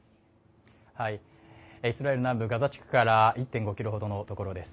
イスラエル南部ガザ地区から１．５ｋｍほどのところです。